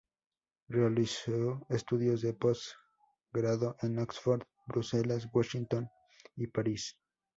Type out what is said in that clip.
Realizó estudios de post grado en Oxford, Bruselas, Washington y París.